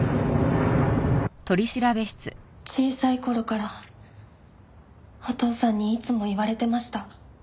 小さい頃からお父さんにいつも言われてました。